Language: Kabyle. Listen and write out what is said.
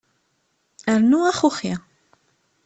Rnu axuxi.